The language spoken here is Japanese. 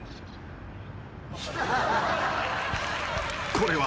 ［これは］